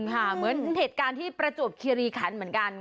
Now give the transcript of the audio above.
เหมือนเหตุการณ์ที่ประจวบคิริคันเหมือนกัน